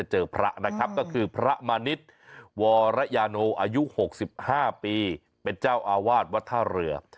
หกสิบห้าปีเป็นเจ้าอาวาสวัตถ้าเรือ